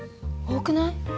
多くない？